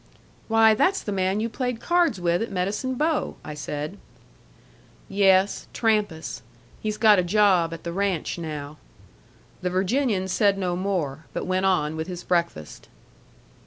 "Why, that's the man you played cards with at Medicine Bow!" I said. "Yes. Trampas. He's got a job at the ranch now." The Virginian said no more, but went on with his breakfast.